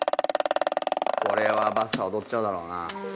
これはばっさー踊っちゃうだろうな